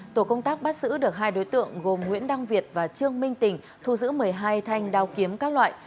tổ công tác bắt giữ được hai đối tượng gồm nguyễn đăng việt và trương minh tỉnh thu giữ một mươi hai thanh đao kiếm các loại